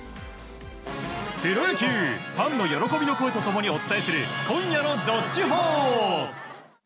プロ野球ファンの喜びの声と共にお伝えする今夜の「＃どっちほー」。